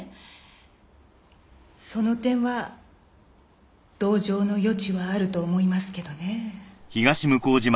その点は同情の余地はあると思いますけどねぇ。